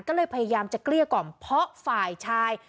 ก็เลยพยายามจะเกลี้ยกล่อมเพราะฝ่ายชาย